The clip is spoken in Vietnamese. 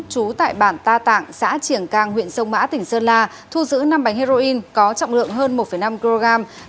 trú tại bản ta tạng xã triển cang huyện sông mã tỉnh sơn la thu giữ năm bánh heroin có trọng lượng hơn một năm kg